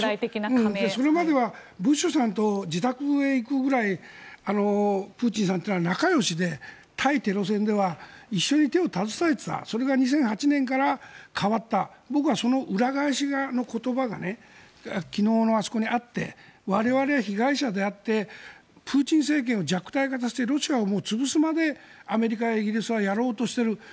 それまではブッシュさんの自宅へ行くぐらいプーチンさんは仲よしで対テロ戦では一緒に手を携えていたそれが２００８年から変わった僕はその裏返しの言葉が昨日のあそこにあって我々は被害者であってプーチン政権を弱体化させロシアを潰すまでアメリカやイギリスはやろうとしている。